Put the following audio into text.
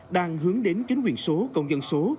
đang hướng đến kính quyền số công dân số